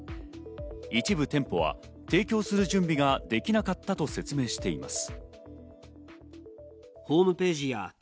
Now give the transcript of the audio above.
一部店舗は提供する準備ができなかったと説明しています。